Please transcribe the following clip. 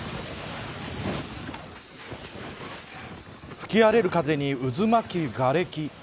吹き荒れる風に渦巻くがれき。